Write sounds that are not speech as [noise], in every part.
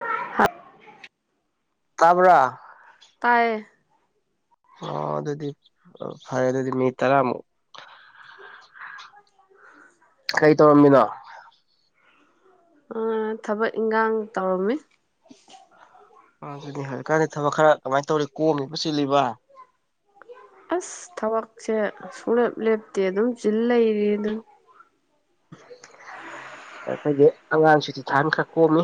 [unintelligible] Half ꯇꯥꯕ꯭ꯔꯥ ꯇꯥꯏꯌꯦ ꯑꯣ ꯑꯗꯨꯗꯤ ꯑ ꯐꯔꯦ ꯑꯗꯨꯗꯤ ꯃꯤ ꯇꯔꯥꯃꯨꯛ ꯀꯩ ꯇꯧꯔꯝꯃꯤꯅꯣ ꯑꯥ ꯊꯕꯛ ꯏꯟꯒꯥꯡ ꯇꯧꯔꯝꯃꯤ ꯑꯗꯨꯅꯤ ꯍꯧꯖꯤꯛꯀꯥꯟꯗꯤ ꯊꯕꯛ ꯈꯔ ꯀꯃꯥꯏꯅ ꯇꯧꯔꯤ ꯀꯣꯝꯃꯤꯕ ꯆꯤꯜꯂꯤꯕ ꯑꯁ ꯊꯕꯛꯁꯦ ꯁꯨꯡꯂꯦꯞ ꯂꯦꯞꯇꯦ ꯑꯗꯨꯝ ꯆꯤꯜ ꯂꯩꯔꯤ ꯑꯗꯨꯟ ꯑꯦ ꯑꯩꯈꯣꯏꯗꯤ ꯑꯉꯥꯡ ꯁꯨꯇꯤ ꯊꯥꯟ ꯈꯔ ꯀꯣꯝꯃꯤ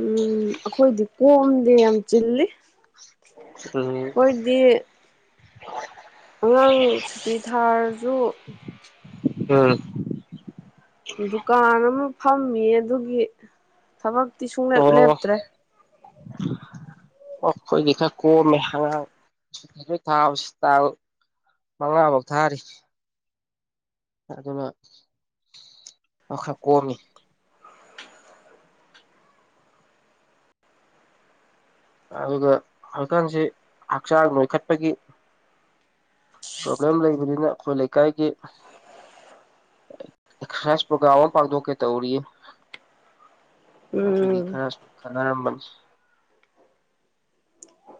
ꯎꯝ ꯑꯈꯣꯏꯗꯤ ꯀꯣꯝꯗꯦ ꯌꯥꯝ ꯆꯤꯜꯂꯤ [unintelligible] ꯑꯩꯈꯣꯏꯗꯤ ꯑꯉꯥꯡ ꯁꯨꯇꯤ ꯊꯥꯔꯁꯨ ꯎꯝ ꯗꯨꯀꯥꯟ ꯑꯃ ꯐꯝꯃꯤ ꯑꯗꯨꯒꯤ ꯊꯕꯛꯇꯤ ꯁꯨꯡꯂꯦꯞ ꯑꯣ ꯂꯦꯞꯇ꯭ꯔꯦ [inaudible] ꯑꯣ ꯑꯩꯈꯣꯏꯗꯤ ꯈꯔ ꯀꯣꯝꯃꯦ ꯑꯉꯥꯡ ꯁꯨꯇꯤ ꯂꯣꯏ ꯊꯥꯕꯁꯦ ꯇꯥꯡ ꯃꯉꯥꯐꯧ ꯊꯥꯔꯤ ꯑꯗꯨꯅ ꯃꯥ ꯈꯔ ꯀꯣꯝꯃꯤ ꯑꯗꯨꯒ ꯍꯧꯖꯤꯛꯀꯥꯟꯁꯤ ꯍꯛꯆꯥꯡ ꯅꯣꯏꯈꯠꯄꯒꯤ ꯄ꯭ꯔꯣꯕ꯭ꯂꯦꯝ ꯂꯩꯕꯅꯤꯅ ꯑꯩꯈꯣꯏ ꯂꯩꯀꯥꯏꯒꯤ ꯑꯦꯛꯁꯔꯁꯥꯏ ꯄ꯭ꯔꯣꯒ꯭ꯔꯥꯝ ꯑꯃ ꯄꯥꯡꯊꯣꯛꯀꯦ ꯇꯧꯔꯤꯌꯦ ꯑꯗꯨꯒꯤ ꯎꯝ ꯈꯔꯁꯨꯝ ꯈꯟꯅꯔꯝꯕꯅꯤ [inaudible]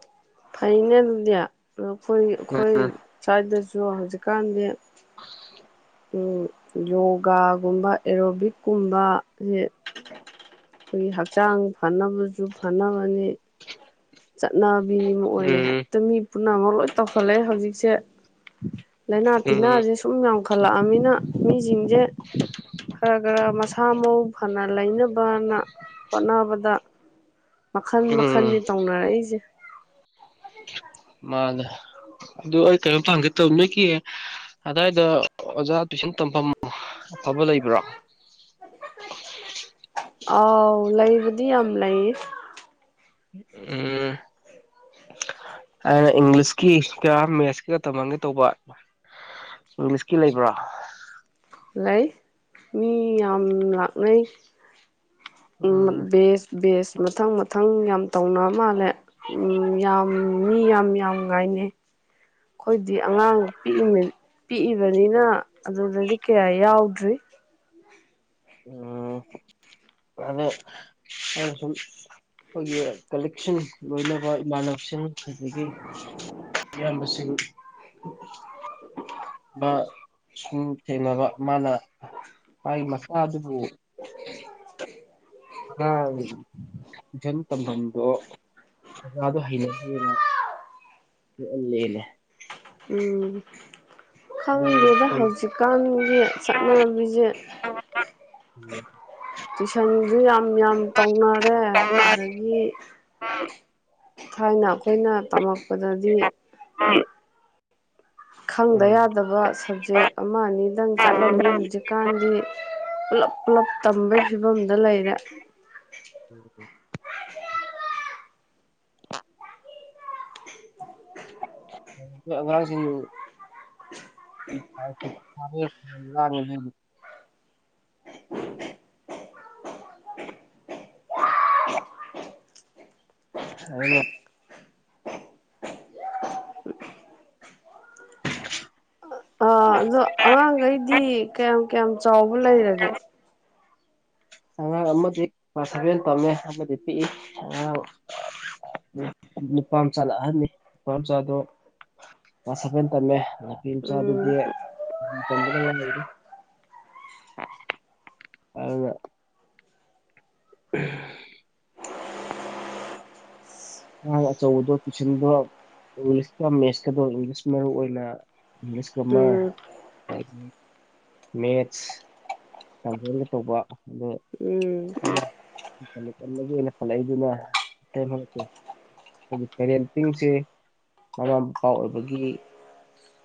ꯐꯩꯅꯦ ꯑꯗꯨꯗꯤ ꯑꯈꯣꯏ ꯑꯩꯈꯣꯏ ꯎꯝ ꯁ꯭ꯋꯥꯗꯁꯨ ꯍꯧꯖꯤꯛꯀꯥꯟꯗꯤ ꯎꯝ ꯌꯣꯒꯥꯒꯨꯝꯕ ꯑꯦꯔꯣꯕꯤꯛꯀꯨꯝꯕꯁꯦ ꯑꯩꯈꯣꯏꯒꯤ ꯍꯛꯆꯥꯡ ꯐꯅꯕꯁꯨ ꯐꯅꯕꯅꯤ ꯆꯠꯅꯕꯤ ꯑꯃ ꯑꯣꯏꯅ ꯎꯝ ꯍꯦꯛꯇ ꯃꯤ ꯄꯨꯝꯅꯃꯛ ꯂꯣꯏ ꯇꯧꯈꯜꯂꯛꯦ ꯍꯧꯖꯤꯛꯁꯦ ꯂꯥꯏꯅꯥ ꯎꯝ ꯇꯤꯟꯅꯥꯁꯦ ꯁꯨꯝ ꯌꯥꯝꯈꯠꯂꯛꯑꯕꯅꯤꯅ ꯃꯤꯁꯤꯡꯁꯦ ꯈꯔ ꯈꯔ ꯃꯁꯥ ꯃꯎ ꯐꯅ ꯂꯩꯅꯕꯅ ꯍꯣꯠꯅꯕꯗ ꯃꯈꯜ ꯎꯝ ꯃꯈꯟꯅꯤ ꯇꯧꯅꯔꯛꯏꯁꯦ ꯃꯥꯅꯦ ꯑꯗꯨ ꯑꯩ ꯀꯩꯅꯣꯝꯇ ꯍꯪꯒꯦ ꯇꯧ ꯅꯣꯏꯒꯤ ꯑꯗꯥꯏꯗ ꯑꯣꯖꯥ ꯇꯨꯏꯁꯟ ꯇꯝꯐꯝ ꯑꯐꯕ ꯂꯩꯕ꯭ꯔꯣ ꯑꯥꯎ ꯂꯩꯕꯨꯗꯤ ꯌꯥꯝ ꯂꯩ ꯎꯝ [unintelligible] ꯏꯪꯂꯤꯁꯀꯤ ꯀ ꯃꯦꯠꯁꯀꯤꯀ ꯇꯝꯍꯟꯒꯦ ꯇꯧꯕ ꯏꯪꯂꯤꯁꯀꯤ ꯂꯩꯕ꯭ꯔꯣ ꯂꯩ ꯃꯤ ꯌꯥꯝ ꯂꯥꯛꯅꯩ ꯎꯝ ꯕꯦꯁ ꯕꯦꯁ ꯃꯊꯪ ꯃꯊꯪ ꯌꯥꯝ ꯇꯧꯅ ꯃꯥꯜꯂꯦ ꯎꯝ ꯌꯥꯝ ꯃꯤ ꯌꯥꯝ ꯌꯥꯝ ꯉꯥꯏꯅꯩ ꯑꯩꯈꯣꯏꯗꯤ ꯑꯉꯥꯡ ꯄꯤꯛꯏ ꯄꯤꯛꯏꯕꯅꯤꯅ ꯑꯗꯨꯗꯗꯤ ꯀꯌꯥ ꯌꯥꯎꯗ꯭ꯔꯤ [inaudible] [unintelligible] ꯑꯩꯅ ꯁꯨꯝ ꯑꯩꯈꯣꯏꯒꯤ ꯀꯂꯤꯛꯁꯤꯟ ꯂꯣꯏꯅꯕ ꯏꯃꯥꯟꯅꯕꯁꯤꯡ ꯑꯗꯒꯤ ꯏꯌꯥꯝꯕꯁꯤꯡ ꯕꯁꯤꯡ ꯊꯦꯡꯅꯕ ꯃꯥꯅ ꯃꯥꯒꯤ ꯃꯆꯥꯗꯨꯕꯨ [unintelligible] [unintelligible] ꯇꯨꯏꯁꯟ ꯇꯝꯐꯝꯗꯣ ꯑꯣꯖꯥꯗꯣ ꯍꯩꯅꯗꯦꯅ [unintelligible] ꯎꯝ ꯑꯩ ꯈꯪꯗꯦꯗ ꯁꯣꯏ ꯍꯧꯖꯤꯛꯀꯥꯟꯒꯤ ꯆꯠꯅꯕꯤꯁꯦ [unintelligible] ꯇꯨꯏꯁꯟꯁꯨ ꯌꯥꯝ ꯌꯥꯝ ꯇꯧꯅꯔꯦ ꯑꯗꯒꯤ ꯊꯥꯏꯅ ꯑꯩꯈꯣꯏꯅ ꯇꯝꯃꯛꯄꯗꯗꯤ ꯈꯪꯗ ꯎꯝ ꯌꯥꯗꯕ ꯁꯕꯖꯦꯛ ꯑꯃ ꯑꯅꯤꯗꯪ ꯆꯠꯂꯝꯃꯤ ꯍꯧꯖꯤꯛ ꯀꯥꯟꯗꯤ ꯄꯨꯂꯞ ꯄꯨꯂꯞ ꯇꯝꯕꯒꯤ ꯐꯤꯕꯝꯗ ꯂꯩꯔꯦ ꯎꯝ [unintelligible] ꯑꯉꯥꯡꯁꯤꯡ [inaudible] [inaudible] [unintelligible] [inaudible] ꯑꯥ ꯑꯗꯣ ꯑꯉꯥꯡꯒꯩꯗꯤ ꯀꯌꯥꯝ ꯀꯌꯥꯝ ꯆꯥꯎꯕ ꯂꯩꯔꯒꯦ ꯑꯉꯥꯡ ꯑꯃꯗꯤ ꯂ꯭ꯁ ꯁꯥꯕꯦꯟ ꯇꯝꯃꯦ ꯑꯃꯗꯤ ꯄꯤꯛꯏ ꯑꯉꯥꯡ ꯅꯨꯄꯥꯝꯆꯥꯅ ꯑꯍꯟꯅꯤ ꯅꯨꯄꯝꯆꯗꯣ ꯁꯕꯦꯟ ꯇꯝꯃꯦ ꯎꯝ ꯅꯥꯄꯤꯝꯆꯗꯨꯗꯤ [unintelligible] ꯑ ꯔ [inaudible] ꯑ ꯑꯆꯧꯕꯗꯣ ꯇꯨꯋꯏꯁꯟꯗꯣ ꯏꯪꯂꯤꯁꯀ ꯃꯦꯠꯁꯀꯗꯣ ꯏꯪꯂꯤꯁ ꯃꯔꯨꯏ ꯑꯣꯏꯅ ꯏꯪꯂꯤꯁ ꯀꯃꯔ ꯎꯝ ꯃꯦꯠꯁ [unintelligible] ꯇꯧꯕ ꯑꯗꯨ ꯎꯝ [unintelligible] ꯄꯟꯂꯛꯏꯗꯨꯅ ꯄꯦꯔꯦꯟꯇꯤꯡꯁꯦ ꯃꯃꯥ ꯃꯄꯥ ꯑꯣꯏꯕꯒꯤ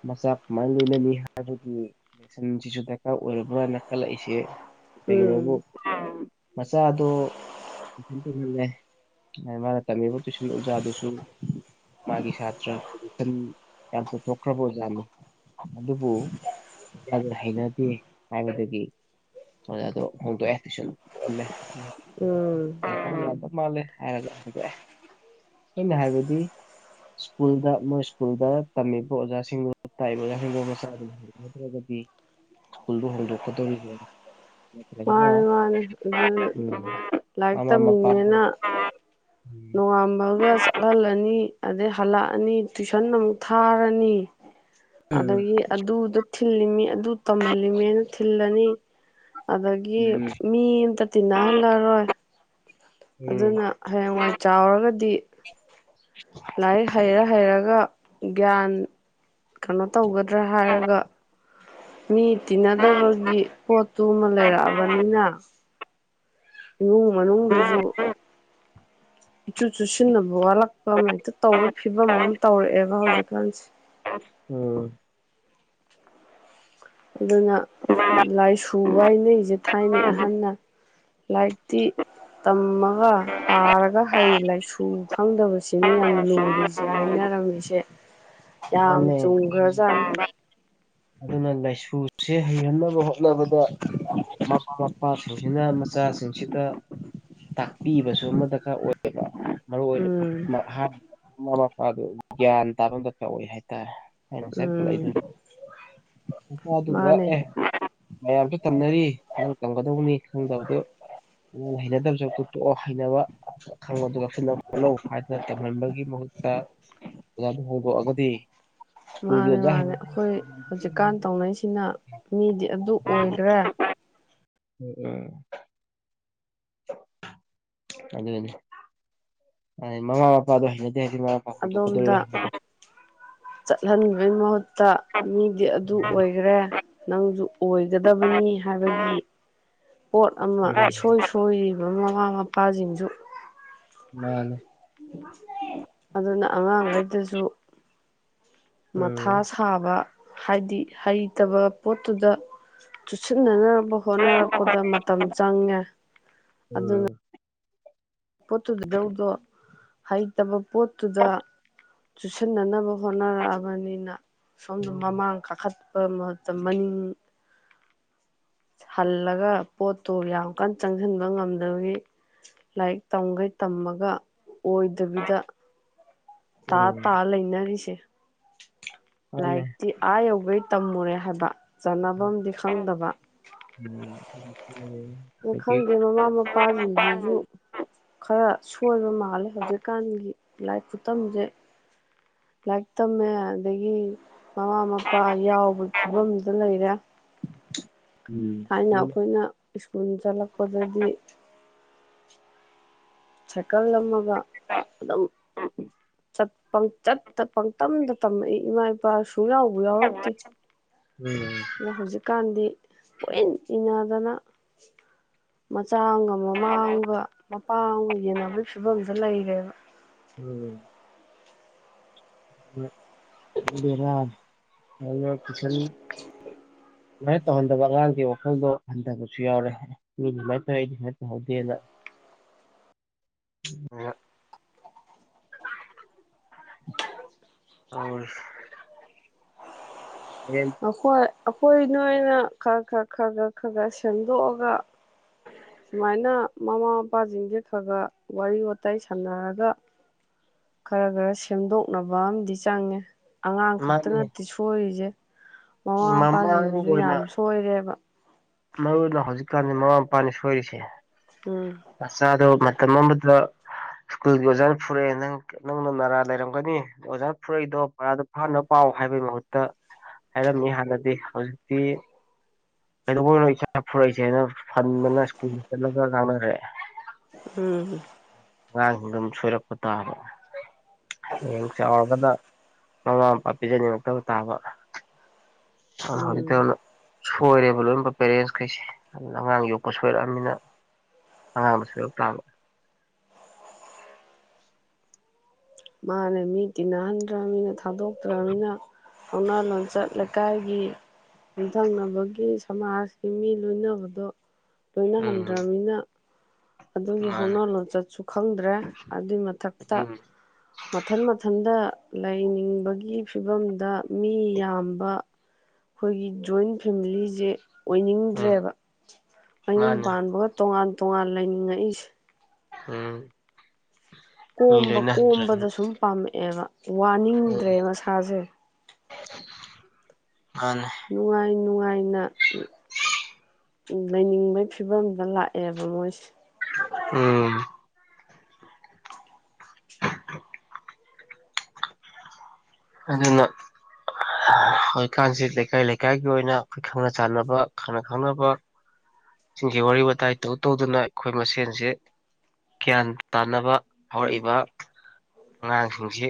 ꯃꯆꯥ ꯀꯃꯥꯏ ꯂꯣꯏꯅꯅꯤ ꯍꯥꯏꯕꯒꯤ [unintelligible] ꯗꯔꯀꯥꯔ ꯑꯣꯏꯔꯕ꯭ꯔꯥꯅ ꯈꯜꯂꯛꯏꯁꯦ ꯀꯩꯒꯤꯅꯣꯕꯨ ꯎꯝ ꯃꯆꯥꯗꯣ [unintelligible] ꯃꯥꯅ ꯇꯝꯃꯤꯕ ꯇꯨꯏꯁꯟ ꯑꯣꯖꯥ ꯗꯨꯁꯨ ꯃꯥꯒꯤ ꯁꯥꯇ꯭ꯔ ꯄꯖꯤꯁꯟ ꯌꯥꯝ ꯄꯨꯊꯣꯛꯈ꯭ꯔꯕ ꯑꯣꯖꯥꯅꯤ ꯑꯗꯨꯕꯨ ꯈ ꯍꯩꯅꯗꯦ ꯍꯥꯏꯕꯗꯒꯤ ꯑꯣꯖꯥꯗꯣ ꯍꯣꯡꯗꯣꯛꯑ ꯇꯨꯏꯁꯟ ꯀꯣꯝꯃꯦ ꯎꯝ ꯄꯃꯃꯃꯃꯃꯃꯃꯃꯃꯃꯃꯃꯃꯃꯃꯥꯜꯂꯦ ꯍꯥꯏꯔꯒꯦ ꯏꯟꯅ ꯍꯥꯏꯕꯗꯤ ꯁ꯭ꯀꯨꯜꯗ ꯃꯣꯏ ꯁ꯭ꯀꯨꯜꯗ ꯇꯝꯃꯤꯕ ꯑꯣꯖꯁꯤꯡ [unintelligible] ꯅꯠꯇ꯭ꯔꯒꯗꯤ ꯁ꯭ꯀꯨꯜꯗꯨꯣ ꯍꯣꯡꯗꯣꯛ [unintelligible] ꯃꯥꯅꯦ ꯃꯥꯅꯦ ꯑꯗꯨ [unintelligible] ꯂꯥꯏꯔꯤꯛ ꯃꯃꯥ ꯃꯄꯥ ꯇꯝꯃꯤꯅꯦꯅ [inaudible] ꯃꯒ ꯆꯠꯂꯜꯂꯅꯤ ꯑꯗꯩ ꯍꯜꯂꯛꯑꯅꯤ ꯇꯨꯏꯁꯟ ꯑꯃꯨꯛ ꯊꯥꯔꯅꯤ ꯑꯗꯒꯤ ꯑꯗꯨꯗ ꯊꯤꯜꯂꯤꯃꯤ ꯑꯗꯨ ꯇꯝꯍꯜꯂꯤꯃꯦꯅ ꯊꯤꯜꯂꯅꯤ ꯑꯗꯒꯤ ꯎꯝ ꯃꯤꯃꯝꯇ ꯇꯤꯟꯅꯍꯟꯂꯔꯣꯏ ꯎꯝ ꯑꯗꯨꯅ ꯍꯌꯦꯡꯋꯥꯏ ꯆꯥꯎꯔꯒꯗꯤ [inaudible] ꯂꯥꯏꯔꯤꯛ ꯍꯩꯔ ꯍꯩꯔꯒ ꯒ꯭ꯌꯥꯟ ꯀꯩꯅꯣ ꯇꯧꯒꯗ꯭ꯔꯥ ꯍꯥꯏꯔꯒ ꯃꯤ ꯇꯤꯟꯅꯗꯕꯒꯤ ꯄꯣꯠꯇꯨꯃ ꯂꯩꯔꯛꯑꯕꯅꯤꯅ ꯏꯃꯨꯡ ꯃꯅꯨꯡꯗꯖꯨ ꯏꯆꯨ ꯆꯨꯁꯤꯟꯅꯕ ꯋꯥꯠꯂꯛꯄ ꯑꯃꯍꯦꯛꯇ ꯇꯧ ꯐꯤꯕꯝ ꯑꯃ ꯇꯧꯔꯛꯑꯦꯕ ꯍꯧꯖꯤꯛꯀꯥꯟꯁꯦ ꯎꯝ ꯑꯗꯨꯅ ꯂꯥꯏꯁꯨ ꯍꯥꯏꯅꯩꯖꯦ ꯊꯥꯏꯅꯩ ꯑꯍꯟꯅ ꯂꯥꯏꯤꯛꯇꯤ ꯇꯝꯃꯒ ꯄꯥꯔꯒ ꯍꯩ ꯂꯥꯏꯁꯨ ꯈꯪꯗꯕ ꯁꯤꯅꯤ ꯌꯥꯝ ꯂꯨꯔꯤꯖꯦ ꯍꯥꯏꯅꯔꯝꯃꯤꯁꯦ ꯌꯥꯝ ꯃꯥꯅꯦ ꯆꯨꯝꯒ꯭ꯔꯖꯥꯠꯅꯤ ꯑꯗꯨꯅ ꯂꯥꯏꯁꯨꯁꯦ ꯍꯩꯍꯟꯅꯕ ꯍꯣꯠꯅꯕꯗ ꯃꯃꯥ ꯃꯄꯥꯁꯤꯡ ꯃꯆꯥꯁꯤꯡꯁꯤꯗ ꯇꯥꯛꯄꯤꯕꯁꯨ ꯑꯃ ꯗꯔꯀꯥꯔ ꯑꯣꯏꯌꯦꯕ ꯃꯔꯨ ꯑꯣꯏꯅ ꯎꯝ [unintelligible] ꯒ꯭ꯌꯥꯟ ꯇꯥꯕꯃ ꯗꯔꯀꯕꯑꯣꯏ ꯍꯥꯏꯇꯥꯔꯦ ꯑꯩꯅ ꯉꯁꯥꯏ ꯎꯝ ꯄꯨꯔꯛꯏꯗꯨꯅꯤ ꯅꯨꯄꯥꯗꯨꯒꯥ ꯃꯥꯅꯦ ꯑꯦ ꯃꯌꯥꯝꯁꯨ ꯇꯝꯅꯔꯤ ꯅꯪꯁꯨ ꯇꯝꯒꯗꯧꯅꯤ ꯈꯪꯗꯕꯗꯨ ꯅꯪꯅ ꯍꯩꯅꯗꯕꯁꯨ ꯀꯨꯠꯇꯣꯛꯑꯣ ꯍꯩꯅꯕ ꯈꯪꯕꯗꯨ ꯂꯧꯁꯤꯟꯂꫭ ꯀꯛ ꯂꫭ ꯍꯥꯏꯗꯅ ꯇꯧꯍꯟꯕꯒꯤ ꯃꯍꯨꯠꯇ ꯑꯣꯖꯥꯗꫭ ꯍꯧꯗꫭꯛ ꯑꯥꯒꯗꯤ ꯁ꯭ꯀꯨꯜꯒꯤ ꯑꯗꯥꯏꯗ [unintelligible] ꯀꯟ ꯇꯧꯅꯩꯁꯤꯅ ꯃꯤꯗꯤ ꯑꯗꯨ ꯑꯣꯏꯈ꯭ꯔꯦ ꯎꯝ ꯎꯝ ꯑꯗꯨꯅꯤ ꯃꯥꯅꯤ ꯃꯃꯥ ꯃꯄꯥꯗꯣ ꯍꯩꯅꯗꯦ ꯍꯥꯏꯗꯤ ꯃꯃꯥ ꯃꯄꯥ ꯑꯗꯣꯝꯗ ꯍꯣꯡꯗꯣꯛꯀꯗꯣꯏꯔ ꯆꯠꯍꯟꯕꯩ ꯃꯍꯨꯠꯇ ꯃꯤꯗꯤ ꯑꯗꯨ ꯑꯣꯏꯈ꯭ꯔꯦ ꯅꯪꯁꯨ ꯑꯣꯏꯒꯗꯕꯅꯤ ꯍꯥꯏꯕꯒꯤ ꯄꯣꯠ ꯑꯃ ꯎꯝ ꯏꯁꯣꯏ ꯁꫭꯏ ꯁꯣꯏꯔꯤꯕ ꯃꯃꯥ ꯃꯄꯥꯁꯤꯡꯁꯨ ꯃꯥꯅꯦ [unintelligible] ꯑꯗꯨꯅ ꯑꯉꯥꯡꯈꯩꯗꯁꯨ ꯃꯊꯥ ꯎꯝ ꯁꯥꯕ ꯍꯥꯏꯗꯤ ꯍꯩꯇꯕ ꯄꯣꯠꯇꯨꯗ ꯆꯨꯁꯤꯟꯅꯅ ꯍꯣꯠꯅꯔꯛꯄꯗ ꯃꯇꯝ ꯆꯪꯉꯦ ꯑꯗꯨꯅ ꯎꯝ ꯄꯣꯠꯇꯨꯗꯨꯗꯧꯗꯣ ꯍꯩꯇꯕ ꯄꯣꯠꯇꯨꯗ ꯆꯨꯁꯤꯟꯅꯅꯕ ꯍꯣꯠꯅꯔꯛꯑꯕꯅꯤꯅ ꯁꯣꯝꯗ ꯃꯃꯥꯡ ꯀꯥꯈꯠ ꯄ ꯃꯍꯨꯠꯇ ꯃꯅꯤꯡ ꯍꯜꯂꯒ ꯄꯣꯠꯇꯨ ꯌꯥꯝ ꯀꯟꯅ ꯆꯪꯁꯤꯟꯕ ꯉꯝꯗꯕꯒꯤ ꯂꯥꯏꯔꯤꯛ ꯇꯝꯈꯩ ꯇꯝꯃꯒ ꯑꯣꯏ ꯗꯕꯤꯗ ꯇꯥ ꯇꯥ ꯎꯝ ꯂꯩꯅꯔꯤꯁꯦ ꯃꯥꯅꯦ ꯂꯥꯏꯔꯤꯛꯇꯤ ꯑꯥ ꯌꯧꯒꯩ ꯇꯝꯃꯨꯔꯦ ꯍꯥꯏꯕ ꯆꯥꯟꯅꯕꯝꯗꯤ ꯈꯪꯗꯕ ꯎꯝ [unintelligible] ꯄꯨꯜꯂꯦ ꯑꫭ ꯈꯪꯗꯦ ꯃꯃꯥ ꯃꯄꯥꯁꯤꯡꯁꯤꯁꯨ ꯈꯔ ꯁꯣꯏꯕ ꯃꯥꯜꯂꯦ ꯍꯧꯖꯤꯛꯀꯥꯟꯒꯤ ꯂꯥꯏꯔꯤꯛ ꯈꯨꯇꯝꯁꯦ ꯂꯥꯏꯔꯤꯛ ꯇꯝꯃꯦ ꯑꯗꯥꯒꯤ ꯃꯃꯥ ꯃꯄꯥ ꯌꯥꯎꯕꯒꯤ ꯐꯤꯕꯝꯗ ꯂꯩꯔꯦ ꯎꯝ ꯊꯥꯏꯅ ꯑꯗꯨꯅꯤ ꯑꯩꯈꯣꯏꯅ ꯁ꯭ꯀꯨꯜ ꯆꯠꯂꯛꯄꯗꯗꯤ ꯁꯥꯏꯀꯜꯂꯝꯃꯒ ꯑꯗꯨꯝ [inaudible] ꯆꯠ ꯄꯪꯆꯠꯇ ꯄꯪꯇꯝꯗ ꯇꯝꯃꯛꯏ ꯏꯃꯥ ꯏꯄꯥ ꯁꯨꯡ ꯌꯥꯎꯕꯨ ꯌꯥꯎꯔꯛꯇꯦ ꯎꯝ ꯑꯗꫭ ꯍꯧꯖꯤꯛ ꯀꯥꯟꯗꯤ ꯀꯣꯏꯏꯟ ꯏꯟꯅꯗꯅ ꯃꯆꯥ ꯑꯃꯒ ꯃꯥꯝ ꯃꯥꯡꯒ ꯃꯄꯥꯥꯝꯒ ꯌꯦꯟꯅꯕꯩ ꯐꯤꯕꯝꯗ ꯂꯩꯈ꯭ꯔꯦꯕ ꯎꯝ꯫ [unintelligible] ꯕꯦꯔꯥꯅꯦ [unintelligible] ꯄꯨꯁꯤꯜ ꯁꯨꯃꯥꯏ ꯇꯧꯍꯟꯗꯕ ꯑꯉꯥꯡꯒꯤ ꯋꯥꯈꯜꯗꯣ ꯍꯟꯊꯕꯁꯨ ꯌꯥꯎꯔꯦ ꯃꯤꯗꯤ ꯗꯨꯝꯃꯥꯏ ꯇꯧꯑꯦ ꯑꯩꯗꯤ ꯁꯨꯃꯥꯏ ꯇꯧꯍꯧꯗꯦꯅ [inaudible] ꯑꯣ ꯇꯧꯔꯁꯦ ꯔꯦꯟ ꯑꯈꯣꯏ ꯑꯈꯣꯏ ꯅꯣꯏꯅ ꯈꯔ ꯈꯔ ꯈꯔꯒꯠ ꯈꯔꯒꯠ ꯁꯦꯝꯗꯣꯛꯑꯒ ꯁꯨꯃꯥꯏꯅ ꯃꯃꯥ ꯃꯄꯥꯁꯤꯡꯁꯦ ꯈꯔꯒꯠ ꯋꯥꯔꯤ ꯋꯇꯥꯏ ꯁꯥꯟꯅꯔꯒ ꯈꯔꯥ ꯈꯔꯥ ꯁꯦꯝꯗꯣꯛꯅꯕ ꯑꯃꯗꯤꯝ ꯆꯪꯉꯦ ꯑꯉꯥꯡ ꯈꯛꯇ ꯃꯥꯅꯦ ꯅꯠꯇꯦ ꯁꯣꯏꯔꯤꯖꯦ ꯃꯃꯥ ꯃꯃꯥꯡ ꯃꯄꯥꯁꯤꯡꯖꯤꯖꯨ ꯑꯣꯏꯅ ꯌꯥꯝ ꯁꯣꯏꯔꯦꯕ ꯃꯔꯨ ꯑꯣꯏꯅ ꯍꯧꯖꯤꯛꯀꯥꯟꯗꯤ ꯃꯃꯥ ꯃꯄꯥꯅꯤ ꯁꯣꯏꯔꯤꯁꯦ ꯎꯝ ꯃꯆꯥꯗꯣ ꯃꯇꯝ ꯑꯃꯗ ꯁ꯭ꯀꯨꯜꯒꯤ ꯑꯣꯖꯥꯅ ꯐꯨꯔꯛꯑꯦ ꯅꯪ ꯅꯪꯅ ꯅꯔꯥ ꯂꯩꯔꯝꯒꯅꯤ ꯑꯣꯖꯥꯅ ꯐꯨꯔꯛꯏꯗꯣ ꯄꯔꯥꯗꯣ ꯐꯥꯅꯕ ꯄꯥꯎ ꯍꯥꯏꯕꯩ ꯃꯍꯨꯠꯇ ꯍꯥꯏꯔꯝꯃꯤ ꯍꯥꯟꯅꯗꯤ ꯍꯧꯖꯤꯛꯇꯤ ꯀꯩꯗꯧꯕꯩꯅꯣ ꯏꯆꯥ ꯐꯨꯔꯛꯏꯁꯦꯅ ꯐꯟꯕꯅ ꯁ꯭ꯀꯨꯜꯗ ꯆꯠꯂꯒ ꯉꯥꯡꯅꯔꯛꯑꯦ ꯎꯝ ꯑꯉꯥꯡꯁꯤꯡꯗ ꯑꯗꯨꯝ ꯁꯣꯏꯔꯛꯄ ꯇꯥꯕ ꯍꯌꯦꯡ ꯆꯥꯎꯔꯒꯗ ꯃꯃꯥ ꯃꯄꯥ ꯄꯤꯖꯅꯤꯡꯉꯛꯇꯕ ꯇꯥꯕ ꯍꯧꯖꯤꯛꯇ ꯎꯝ ꯇꯧꯅ ꯁꯣꯏꯔꯦꯕ ꯂꯣꯏꯅꯃꯛ ꯄꯦꯔꯦꯟꯁ ꯈꯩꯁꯦ ꯑꯗꯨꯅ ꯑꯉꯥꯡ ꯌꯣꯛꯄ ꯁꯣꯏꯔꯛꯑꯃꯤꯅ ꯑꯉꯥꯡ ꯁꯣꯏꯔꯛꯇꯥꯕ ꯃꯥꯅꯦ ꯃꯤ ꯇꯤꯟꯅꯍꯟꯗ꯭ꯔꯕꯃꯤꯅ ꯊꯥꯗꯣꯛꯇ꯭ꯔꯃꯤꯅ ꯍꯧꯅ ꯂꯣꯟꯆꯠ ꯂꯩꯀꯥꯏꯒꯤ ꯌꯨꯝꯊꯪꯅꯕꯒꯤ ꯁꯃꯥꯖꯀꯤ ꯃꯤ ꯂꯣꯏꯅꯕꯗꯣ ꯎꯝ ꯂꯣꯏꯅꯍꯟꯗ꯭ꯔꯕꯃꯤꯅ ꯑꯗꯨꯒꯤ ꯃꯥꯅꯦ ꯍꯧꯅ ꯂꯣꯟꯆꯠꯁꯨ ꯈꯪꯗ꯭ꯔꯦ ꯑꯗꯨꯏ ꯃꯊꯛꯇ ꯎꯝ ꯃꯊꯟ ꯃꯊꯟꯗ ꯂꯩꯅꯤꯡꯕꯒꯤ ꯐꯤꯕꯝꯗ ꯃꯤ ꯌꯥꯝꯕ ꯈꯣꯏꯒꯤ ꯖꯣꯏꯟ ꯐꯦꯃꯤꯂꯤꯖꯦ ꯎꯝ ꯑꯣꯏꯅꯤꯡꯗ꯭ꯔꯦꯕ ꯃꯌꯨꯝ ꯃꯥꯅꯦ ꯄꯥꯟꯕꯒ ꯇꯣꯉꯥꯟ ꯇꯣꯉꯥꯟ ꯂꯩꯅꯤꯡꯉꯛꯏꯁꯦ ꯎꯝ ꯃꯤ ꯀꯣꯝꯕ ꯂꯣꯏꯅꯍꯟꯗ꯭ꯔꯕꯅꯤꯅ ꯀꯣꯝꯕꯗ ꯁꯨꯝ ꯄꯥꯝꯃꯛꯑꯦꯕ ꯋꯥꯅꯤꯡꯗ꯭ꯔꯦ ꯃꯁꯥꯖꯦ ꯃꯥꯟꯅꯦ ꯅꯨꯡꯉꯥꯏ ꯅꯨꯡꯉꯥꯏꯅ ꯎꯝ ꯂꯩꯅꯤꯡꯕꯒꯤ ꯐꯤꯕꯝꯗ ꯂꯥꯛꯑꯦꯕ ꯃꯣꯏꯁꯦ ꯎꯝ ꯑꯗꯨꯅ ꯍꯧꯖꯤꯛꯀꯥꯟꯁꯤ ꯂꯩꯀꯥꯏ ꯂꯩꯀꯥꯏꯒꯤ ꯑꯣꯏꯅ ꯑꯩꯈꯣꯏ ꯈꯪꯅ ꯆꯥꯟꯅꯕ ꯈꯪꯅ ꯈꯪꯅꯕ ꯁꯤꯡꯖꯦ ꯋꯥꯔꯤ ꯋꯥꯇꯥꯏꯇ ꯇꯧꯗꯨꯅ ꯑꯩꯈꯣꯏ ꯃꯁꯦꯟꯁꯦ ꯒ꯭ꯌꯥꯟ ꯇꯥꯟꯅꯕ ꯍꯧꯔꯛꯏꯕ ꯑꯉꯥꯡꯁꯤꯡꯁꯤ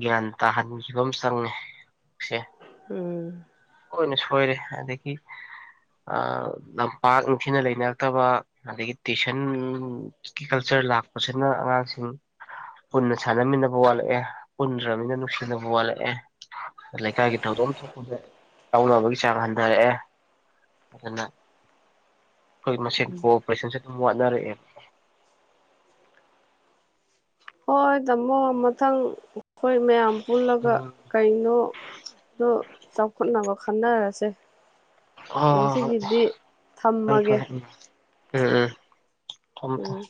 ꯒ꯭ꯌꯥꯟ ꯇꯥꯍꯟꯈꯤꯕ ꯑꯃ ꯆꯪꯉꯦ ꯁꯦ ꯎꯝ ꯍꯣꯏꯅ ꯁꯣꯏꯔꯦ ꯑꯗꯒꯤ ꯂꯝꯄꯥꯛ ꯅꯨꯡꯊꯤꯅ ꯂꯩꯅꯔꯛꯇꯕ ꯑꯗꯒꯤ ꯇꯨꯏꯁꯟ ꯀꯜꯆꯔ ꯂꯥꯛꯄꯁꯤꯅ ꯑꯉꯥꯡꯁꯤꯡ ꯄꯨꯟꯅ ꯁꯥꯟꯅꯃꯤꯟꯅꯕ ꯋꯥꯠꯂꯛꯑꯦ ꯄꯨꯟꯗ꯭ꯔꯅꯤꯅ ꯅꯨꯡꯁꯤꯅꯕ ꯋꯥꯠꯂꯛꯑꯦ ꯂꯩꯀꯥꯏꯒꯤ ꯊꯧꯗꯣꯛ ꯑꯃ ꯊꯣꯛꯄꯗꯥ ꯌꯥꯎꯅꯕꯒꯤ ꯆꯥꯡ ꯍꯟꯊꯔꯛꯑꯦ ꯑꯗꯨꯅ ꯑꯩꯈꯣꯏ ꯃꯁꯦꯟ ꯀꯣꯑꯣꯄꯔꯦꯁꯟꯁꯦ ꯑꯗꯨꯝ ꯋꯥꯠꯅꯔꯛꯑꯦꯕ ꯍꯣꯏ ꯇꯥꯃꯣ ꯃꯊꯪ ꯑꯩꯈꯣꯏ ꯃꯌꯥꯝ ꯄꯨꯜꯂꯒ ꯎꯝ ꯀꯩꯅꯣꯗꯣ ꯆꯥꯎꯈꯠꯅꯕ ꯈꯟꯅꯔꯁꯦ ꯉꯁꯤꯒꯤꯗꯤ ꯍꯣꯍꯣꯏ ꯐꯥꯔꯦ ꯊꯝꯃꯒꯦ ꯐꯥꯔꯦ ꯎꯝ ꯊꯝꯃꯨ ꯎꯝ ꯊꯝꯃꯨ